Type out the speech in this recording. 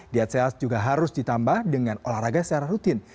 diet sehat juga harus ditambah dengan olahraga secara rutin